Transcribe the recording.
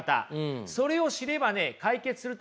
それを知ればね解決すると思います。